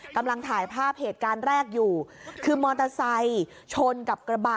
กำลังถ่ายภาพเหตุการณ์แรกอยู่คือมอเตอร์ไซค์ชนกับกระบะ